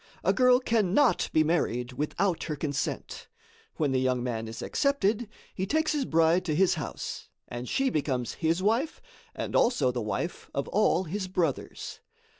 A girl cannot be married without her consent. When the young man is accepted, he takes his bride to his house, and she becomes his wife and also the wife of all his brothers.